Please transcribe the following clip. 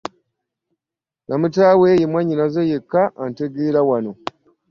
Namutaawe ye mwannyinaze yekka antegeera wano.